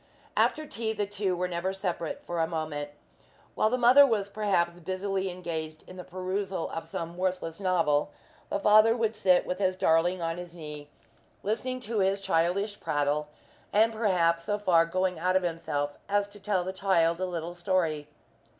After tea, the two were never separate for a moment. While the mother was perhaps busily engaged in the perusal of some worthless novel, the father would sit with his darling on his knee, listening to his childish prattle, and perhaps so far going out of himself as to tell the child a little story.